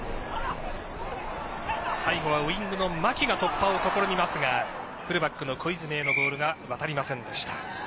最後はウイングの槇が突破を試みますがフルバックの小泉へのボールが渡りませんでした。